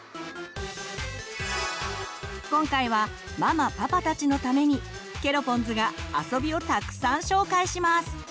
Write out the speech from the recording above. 今回はママパパたちのためにケロポンズが遊びをたくさん紹介します！